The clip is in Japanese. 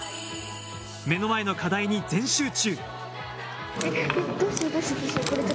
目の前の課題に全集中！